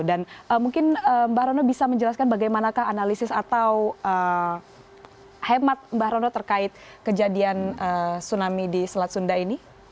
dan mungkin mbak surono bisa menjelaskan bagaimanakah analisis atau hemat mbak surono terkait kejadian tsunami di selat sunda ini